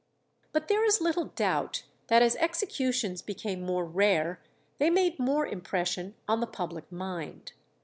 But there is little doubt that as executions became more rare they made more impression on the public mind.